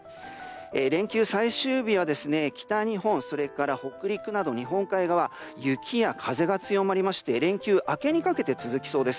連休最終日は、北日本それから北陸など日本海側雪や風が強まりまして連休明けにかけて続きそうです。